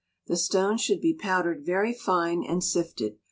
The stone should be powdered very fine and sifted.